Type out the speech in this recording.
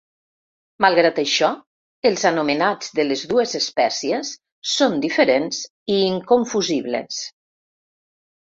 Malgrat això, els anomenats de les dues espècies són diferents i inconfusibles.